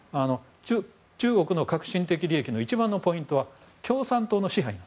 中国の核心的利益の一番のポイントは共産党の支配。